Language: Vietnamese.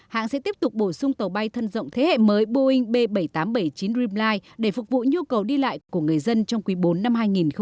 hãng sẽ tiếp tục bổ sung tàu bay thân rộng thế hệ mới boeing b bảy trăm tám mươi bảy chín dreamline để phục vụ nhu cầu đi lại của người dân trong quý bốn năm hai nghìn một mươi chín